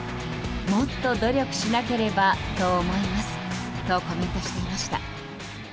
もっと努力しなければと思いますとコメントしていました。